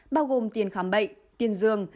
bao gồm tiền khám bệnh tiền dương